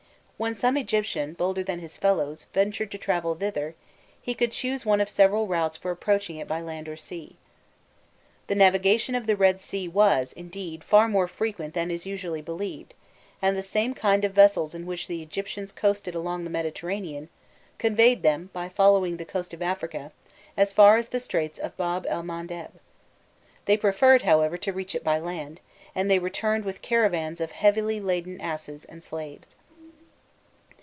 When some Egyptian, bolder than his fellows, ventured to travel thither, he could choose one of several routes for approaching it by land or sea. The navigation of the Red Sea was, indeed, far more frequent than is usually believed, and the same kind of vessels in which the Egyptians coasted along the Mediterranean, conveyed them, by following the coast of Africa, as far as the Straits of Bab el Mandeb. They preferred, however, to reach it by land, and they returned with caravans of heavily laden asses and slaves.